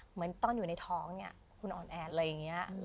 เหมือนอยากโทรหามึน